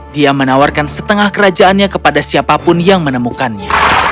dia menawarkan setengah kerajaannya kepada siapapun yang menemukannya